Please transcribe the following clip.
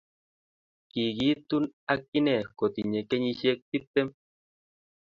Kiikitun ak inee kotinye kenyishek tiptem